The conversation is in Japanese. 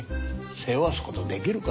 背負わすことできるか？